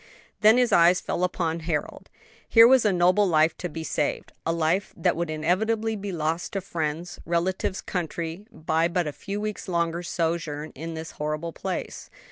Then his eye fell upon Harold. Here was a noble life to be saved; a life that would inevitably be lost to friends, relatives, country, by but a few weeks' longer sojourn in this horrible place.